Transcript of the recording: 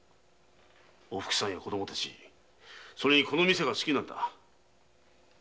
おふくさんや子供達やこの店が好きなんだ。